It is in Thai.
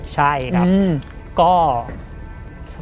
ใช่ครับ